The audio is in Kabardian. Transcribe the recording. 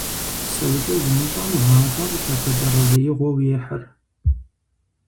ПсэукӀэ зымыщӀэм гъащӀэр лъапэдэгъэзеигъуэу ехьыр.